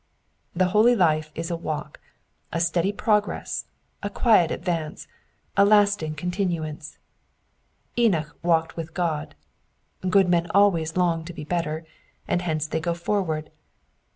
The holy life is a walk, a steady progress, a quiet advance, a lasting con tinuance. Enoch walked with God. Good men always long to be better, and hence they go forward.